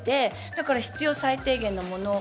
だから必要最低限のもの。